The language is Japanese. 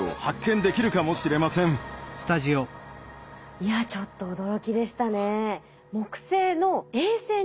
いやちょっと驚きでしたね。